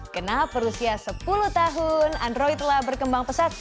kenal perusia sepuluh tahun android telah berkembang pesat